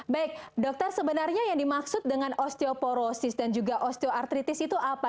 baik dokter sebenarnya yang dimaksud dengan osteoporosis dan juga osteoartritis itu apa